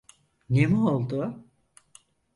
Ne mi oldu?